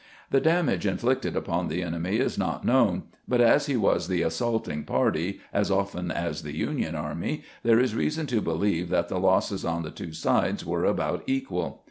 The damage inflicted upon the enemy is not known, but as he was the assaulting party as often as the Union army, there is reason to believe that the losses on the two sides were about equal.